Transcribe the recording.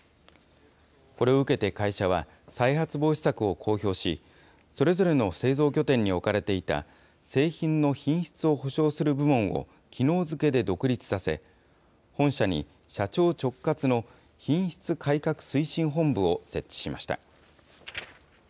これを受けて会社は、再発防止策を公表し、それぞれの製造拠点に置かれていた、製品の品質を保証する部門をきのう付けで独立させ、本社に社長直轄の品質改革推進本部を設置しました。